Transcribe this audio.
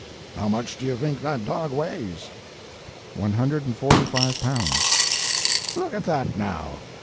"How much do you think that dog weighs?" "One hundred and forty five pounds." "Look at that, now!